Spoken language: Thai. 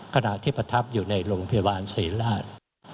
ขณะที่ประทับอยู่ในโรงพยาบาลศรีราช